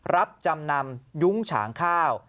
รับจำนำยุ้งฉางข้าว